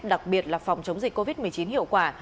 đặc biệt là phòng chống dịch covid một mươi chín hiệu quả